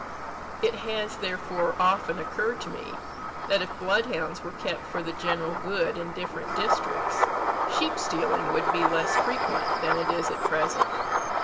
It has, therefore, often occurred to me, that if bloodhounds were kept for the general good in different districts, sheep stealing would be less frequent than it is at present.